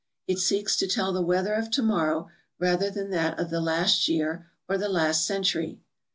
It seeks to tell the weather of tomorrow rather than that of the last year or the last century.